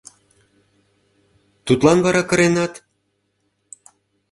Тудлан вара кыренат?